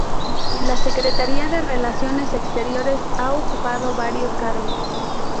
En la Secretaría de Relaciones Exteriores ha ocupado varios cargos.